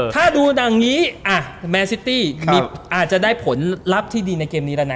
ถ้าดูดังนี้แมนซิตี้อาจจะได้ผลลัพธ์ที่ดีในเกมนี้แล้วนะ